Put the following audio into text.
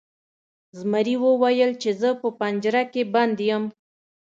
زمري وویل چې زه په پنجره کې بند یم.